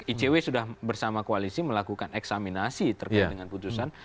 icw sudah bersama koalisi melakukan eksaminasi terkait dengan putusan